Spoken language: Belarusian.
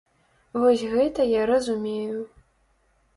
Вось гэта я разумею.